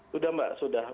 sudah mbak sudah